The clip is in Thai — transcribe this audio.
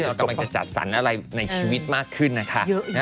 เรากำลังจะจัดสรรอะไรในชีวิตมากขึ้นนะคะ